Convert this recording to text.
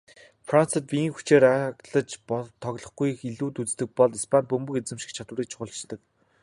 Францад биеийн хүчээр ааглаж тоглохыг илүүд үздэг бол Испанид бөмбөг эзэмших чадварыг чухалчилдаг.